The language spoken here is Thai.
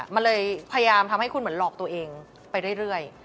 มันเลยพยายามทำให้คุณเหมือนหลอกตัวเองไปเรื่อย